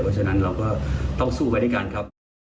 เพราะฉะนั้นเราก็ต้องสู้ไปด้วยกันครับ